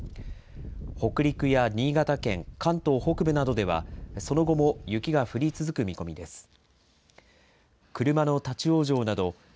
北陸や新潟県、関東北部などではその後も雪が降り続く見込みです。